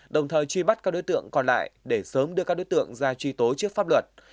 đồng thời truy bắt các đối tượng còn lại để sớm đưa các đối tượng ra truy tố trước pháp luật